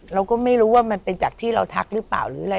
เราก็ไม่รู้ว่ามันเป็นจากที่เราทักหรือเปล่าหรืออะไร